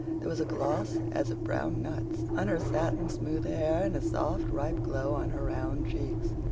There was a gloss as of brown nuts on her satin smooth hair and a soft, ripe glow on her round cheeks.